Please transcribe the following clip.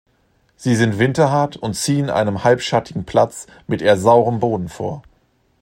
Sie sind winterhart und ziehen einen halbschattigen Platz mit eher saurem Boden vor.